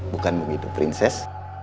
bukan begitu prinses